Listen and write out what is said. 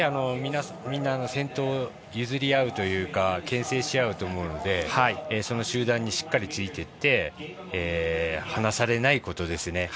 みんな、先頭譲り合うというかけん制し合うと思うのでその集団にしっかりついていって離されないことですね。